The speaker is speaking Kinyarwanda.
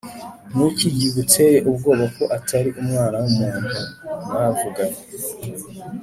Niki kiguteye ubwoba ko Atari umwana wumuntu mwavuganye